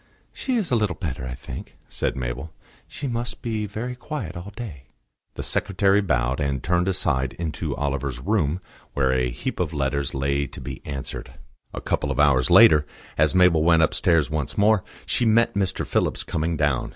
"She is a little better, I think," said Mabel. "She must be very quiet all day." The secretary bowed and turned aside into Oliver's room, where a heap of letters lay to be answered. A couple of hours later, as Mabel went upstairs once more, she met Mr. Phillips coming down.